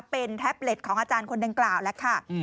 เป็นแท็บเล็ตของอาจารย์คนดังกล่าวแล้วค่ะ